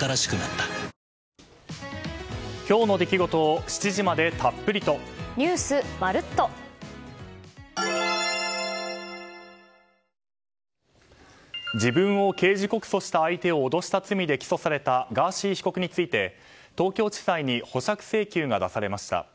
新しくなった自分を刑事告訴した相手を脅した罪で起訴されたガーシー被告について東京地裁に保釈請求が出されました。